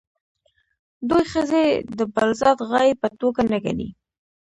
دوی ښځې د بالذات غایې په توګه نه ګڼي.